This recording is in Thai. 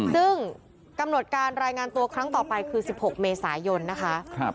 ซึ่งกำหนดการรายงานตัวครั้งต่อไปคือ๑๖เมษายนนะคะ